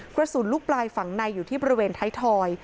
กระสุนลูกปลายฝังในอยู่ที่บริเวณไทยทอย